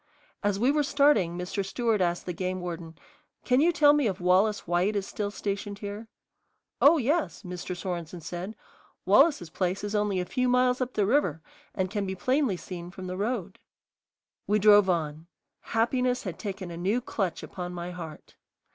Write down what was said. As we were starting Mr. Stewart asked the game warden, "Can you tell me if Wallace White is still stationed here?" "Oh, yes," Mr. Sorenson said, "Wallace's place is only a few miles up the river and can be plainly seen from the road." We drove on. Happiness had taken a new clutch upon my heart.